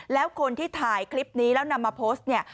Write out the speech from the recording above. แล้วคนที่ถ่ายคลิปนี้แล้วนำมาโพสต์เนี่ย